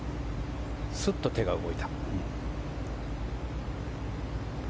スッと手が動いた。